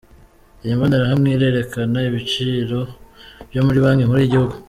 Iyi mbonerahamwe irerekana ibiciro byo muri banki nkuru y'igihugu.